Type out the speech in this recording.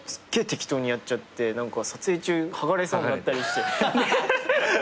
適当にやっちゃって撮影中剥がれそうになったりして。